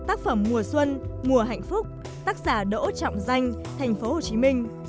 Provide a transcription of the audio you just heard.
tác phẩm mùa xuân mùa hạnh phúc tác giả đỗ trọng danh tp hcm